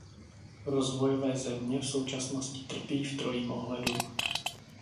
Rozvojové země v současnosti trpí v trojím ohledu.